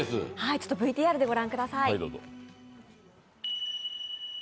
ＶＴＲでご覧ください。